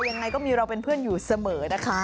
ยังไงก็มีเราเป็นเพื่อนอยู่เสมอนะคะ